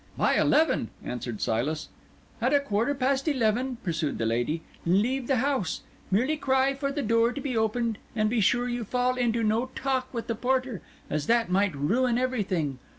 "By eleven," answered Silas. "At a quarter past eleven," pursued the lady, "leave the house. Merely cry for the door to be opened, and be sure you fall into no talk with the porter, as that might ruin everything.